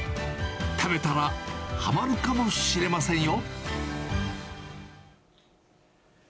食べたらはまるかもしれませんよ。